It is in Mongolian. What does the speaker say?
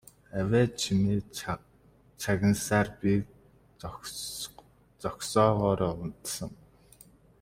Авиа чимээ чагнасаар би зогсоогоороо унтсан.